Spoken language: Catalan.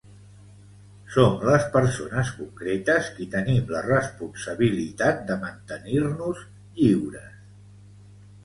Som les persones concretes qui tenim la responsabilitat de mantenir-nos lliures.